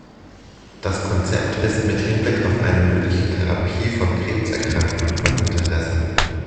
Das Konzept ist mit Hinblick auf eine mögliche Therapie von Krebserkrankungen von Interesse.